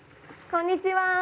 こんにちは。